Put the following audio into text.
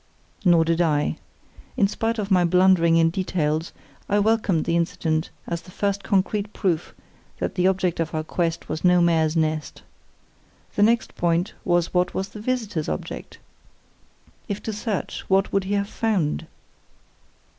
Nor did I. In spite of my blundering in details, I welcomed the incident as the first concrete proof that the object of our quest was no mare's nest. The next point was what was the visitor's object? If to search, what would he have found?